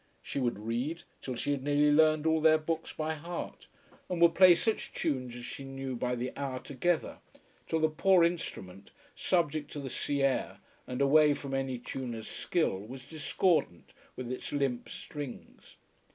She would read, till she had nearly learned all their books by heart, and would play such tunes as she knew by the hour together, till the poor instrument, subject to the sea air and away from any tuner's skill, was discordant with its limp strings.